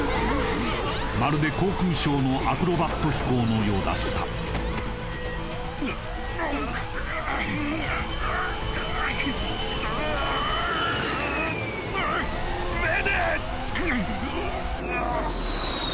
まるで航空ショーのアクロバット飛行のようだったメーデー！